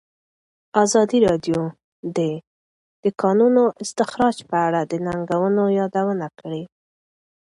ازادي راډیو د د کانونو استخراج په اړه د ننګونو یادونه کړې.